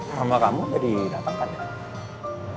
mama kamu sudah didatang kan